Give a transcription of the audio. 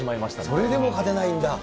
それでも勝てないんだ。